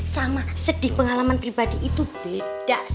sama sedih pengalaman pribadi itu beda